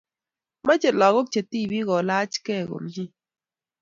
mache lakok che tipik ko lach kee komie